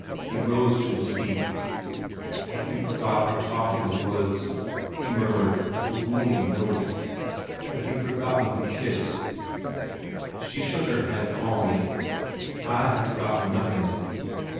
He rose to his feet. "Have you forgotten our talk in the woods?" he murmured with a wooing note. "Have you forgotten the kiss?" She shook her head calmly. "I have forgotten nothing."